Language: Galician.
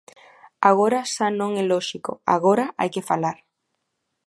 Agora xa non é lóxico, agora hai que falar.